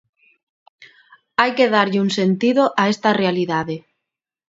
Hai que darlle un sentido a esta realidade.